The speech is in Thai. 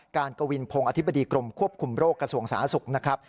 กวินพงศ์อธิบดีกรมควบคุมโรคกระทรวงสาธารณสุขนะครับ